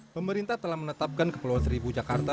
pemerintah telah menetapkan kepulauan seribu jakarta